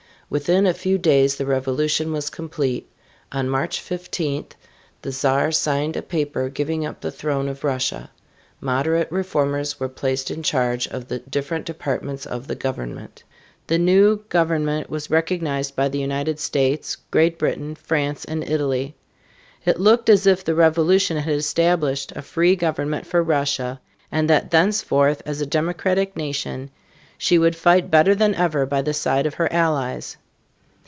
Within a few days the revolution was complete. On March 15, the Czar signed a paper giving up the throne of Russia. Moderate reformers were placed in charge of the different departments of the government. The new government was recognized by the United States, Great Britain, France, and Italy. It looked as if the revolution had established a free government for Russia and that thenceforth, as a democratic nation, she would fight better than ever by the side of her allies.